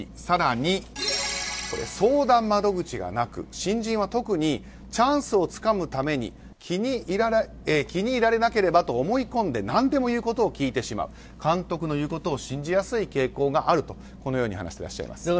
更に、相談窓口がなく新人は特にチャンスをつかむために気に入られなければと思い込んで何でも言うことを聞いてしまう監督の言うことを信じやすい傾向があるとこのように話していらっしゃいます。